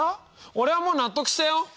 俺はもう納得したよ。